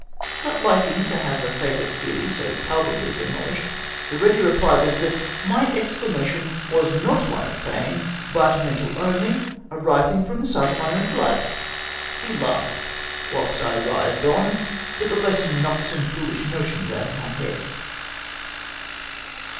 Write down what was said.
" Not hking to have a favourite theory so pal pably demohshed, the ready reply was that " my ex clamation was not one of pain, but mental only, arising from the sight of my own blood !" He laughed, whilst I writhed on, but the lesson knocked some foohsli notions out of my head.